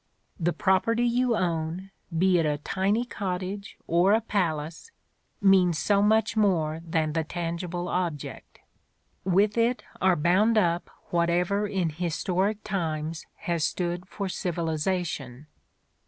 The property you own — ^be it a tiny cottage or a palace — means so much more than the tangible object! With it are bound up whatever in historic times has stood for Civilization.